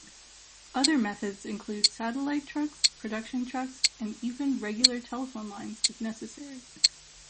Other methods include satellite trucks, production trucks and even regular telephone lines if necessary.